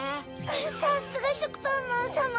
さすがしょくぱんまんさま！